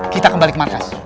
kita kembali ke markas